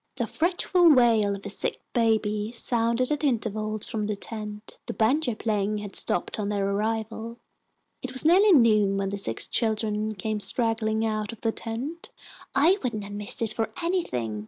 The fretful wail of a sick baby sounded at intervals from the tent. The banjo playing had stopped on their arrival. It was nearly noon when the six children came straggling out of the tent. "I wouldn't have missed it for anything!"